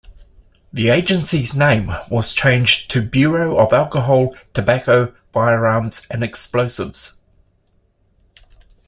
The agency's name was changed to Bureau of Alcohol, Tobacco, Firearms, and Explosives.